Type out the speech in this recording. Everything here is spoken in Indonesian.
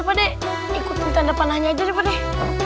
pada ikut tanda panahnya jadi boleh